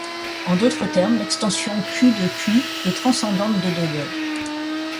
En d'autres termes, l'extension Q de Q est transcendante de degré.